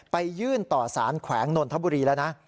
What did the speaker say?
ไปยื่นต่อสารแขวงนนทบุรีแล้วนะ